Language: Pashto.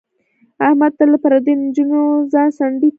احمد تل له پردیو لانجو ځان څنډې ته کوي.